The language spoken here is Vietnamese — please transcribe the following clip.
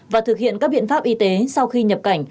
và thực hiện các biện pháp y tế sau khi nhập cảnh